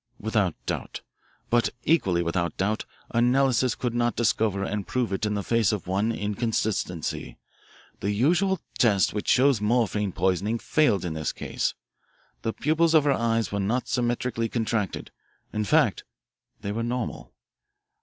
Without doubt. But equally without doubt analysis could not discover and prove it in the face of one inconsistency. The usual test which shows morphine poisoning failed in this case. The pupils of her eyes were not symmetrically contracted. In fact they were normal.